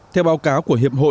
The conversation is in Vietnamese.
theo báo cáo của hiệp hội